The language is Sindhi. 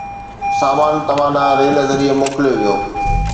سامان توهان ڏانهن ريل ذريعي موڪليو ويو